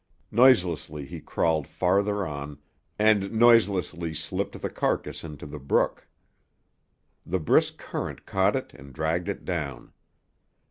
Noiselessly he crawled farther on and noiselessly slipped the carcass into the brook. The brisk current caught it and dragged it down.